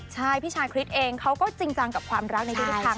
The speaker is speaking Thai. ใช่พี่ชาคริสเองเขาก็จริงจังกับความรักในทุกทาง